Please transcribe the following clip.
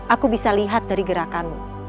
aku bisa lihat dari gerakanmu